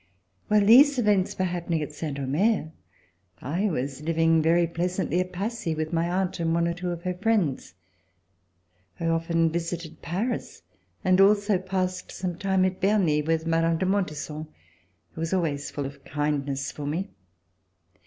While these events were happening at Saint Omer, I was Hving very pleasantly at Passy with my aunt and with one or two of her friends. I often visited Paris, and also passed some time at Berny with Mme. de Montesson, who was always full of kindness for me.